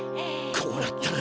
こうなったら。